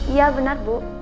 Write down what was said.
iya benar bu